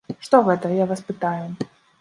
Што гэта, я вас пытаю?